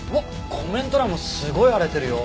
コメント欄もすごい荒れてるよ。